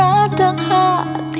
jangan lupakan lari